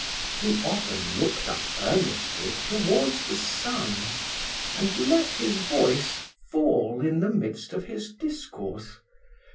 He often looked up earnestly towards the sun, and let his voice fall in the midst of his discourse.